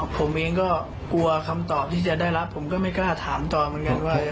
ผมเองก็กลัวคำตอบที่จะได้รับผมก็ไม่กล้าถามต่อเหมือนกันว่า